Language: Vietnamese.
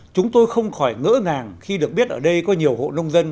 chúng tôi không khỏi ngỡ ngàng khi được biết ở đây có nhiều hộ nông dân